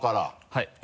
はい。